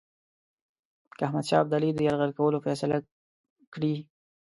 که احمدشاه ابدالي د یرغل کولو فیصله کړې.